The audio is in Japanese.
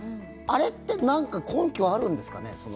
あれってなんか根拠あるんですかね？